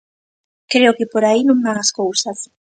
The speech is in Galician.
Creo que por aí non van as cousas.